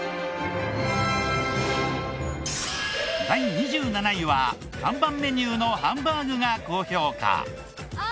第２７位は看板メニューのハンバーグが高評価。